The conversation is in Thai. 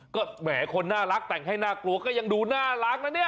ก็แหมคนน่ารักแต่งให้น่ากลัวก็ยังดูน่ารักนะเนี่ย